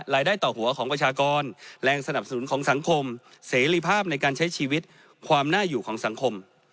ได้ต่อหัวของประชากรแรงสนับสนุนของสังคมเสรีภาพในการใช้ชีวิตความน่าอยู่ของสังคม